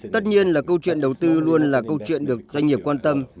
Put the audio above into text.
tất nhiên là câu chuyện đầu tư luôn là câu chuyện được doanh nghiệp quan tâm